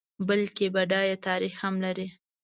بلکه بډایه تاریخ هم لري.